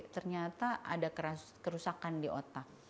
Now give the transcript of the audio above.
ternyata ada kerusakan di otak